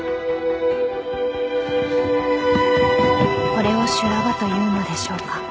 ［これを修羅場というのでしょうか？］